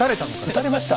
撃たれました。